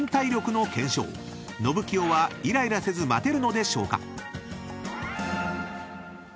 ［のぶきよはイライラせず待てるのでしょうか？］